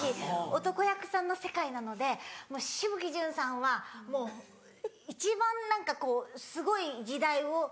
男役さんの世界なので紫吹淳さんは一番何かこうすごい時代を。